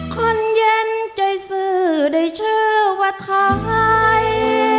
คนเย็นใจซื้อได้ชื่อว่าทอย